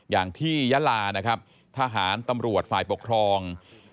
อย่างที่ยะลานะครับทหารตำรวจฝ่ายปกครอง